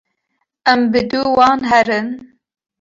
em bi dû wan herin